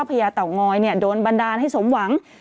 พระยาเต๋อง้อยเนี่ยโดนบันดาลให้สมหวัง